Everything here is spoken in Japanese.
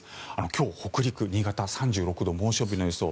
今日、北陸、新潟３６度、猛暑日の予想。